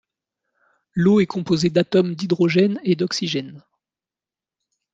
L'eau est composée d'atomes d'hydrogène et d'oxygène.